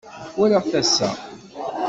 Walaɣ-t ass-a.